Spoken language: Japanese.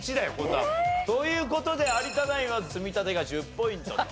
えーっ！という事で有田ナインは積み立てが１０ポイント。